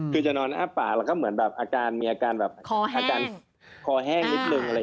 คือจะนอนอ้าปากแล้วก็มีอาการคอแห้งนิดนึง